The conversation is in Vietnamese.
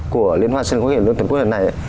của liên quan sân khấu cải lương tuyển quốc này ấy